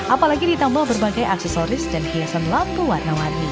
apalagi ditambah berbagai aksesoris dan hiasan lampu warna warni